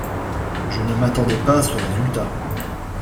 Je ne m’attendais pas à ce résultat.